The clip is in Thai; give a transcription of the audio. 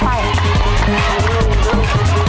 ไม่ออกลูกกล่าย